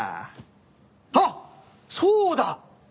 あっそうだ！